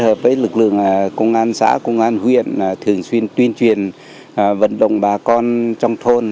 hợp với lực lượng công an xã công an huyện thường xuyên tuyên truyền vận động bà con trong thôn